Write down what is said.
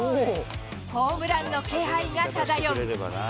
ホームランの気配が漂う。